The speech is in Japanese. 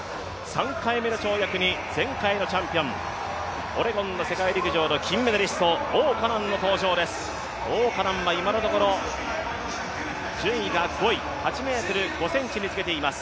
３回目の跳躍に前回のチャンピオンオレゴンの世界陸上の金メダリスト、王嘉男の登場です、王嘉男は今のところ、順位が５位、８ｍ５ｃｍにつけています。